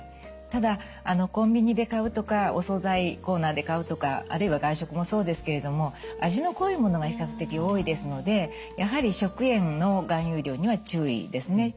ただコンビニで買うとかお総菜コーナーで買うとかあるいは外食もそうですけれども味の濃いものが比較的多いですのでやはり食塩の含有量には注意ですね。